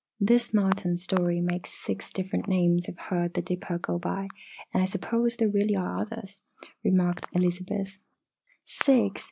"This marten story makes six different names I have heard the Dipper go by, and I suppose there really are others," remarked Elizabeth. "Six!"